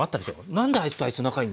何であいつとあいつ仲いいんだ？